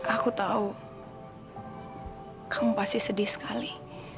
aku tahu kamu pasti sedih sekali